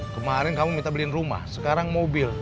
kemarin kamu minta beliin rumah sekarang mobil